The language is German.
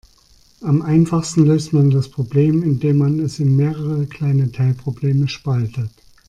Am einfachsten löst man das Problem, indem man es in mehrere kleine Teilprobleme spaltet.